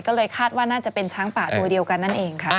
ก็เลยคาดว่าน่าจะเป็นช้างป่าตัวเดียวกันนั่นเองค่ะ